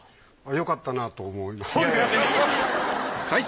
よかったなと思いますね。